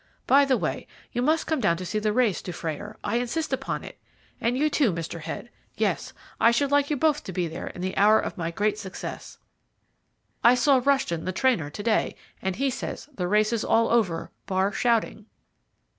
By the way, you must come down to see the race, Dufrayer; I insist upon it, and you too, Mr. Head. Yes, I should like you both to be there in the hour of my great success. I saw Rushton, the trainer, to day, and he says the race is all over, bar shouting."